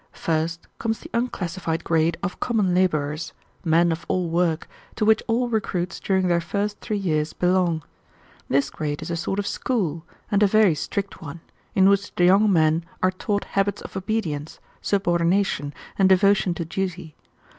First comes the unclassified grade of common laborers, men of all work, to which all recruits during their first three years belong. This grade is a sort of school, and a very strict one, in which the young men are taught habits of obedience, subordination, and devotion to duty.